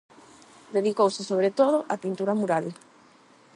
Dedicouse sobre todo á pintura mural.